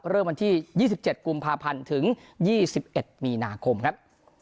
เริ่มวันที่๒๗กุมภาพันธ์ถึง๒๑มีนาคมครับ